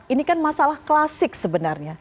ini kan masalah klasik sebenarnya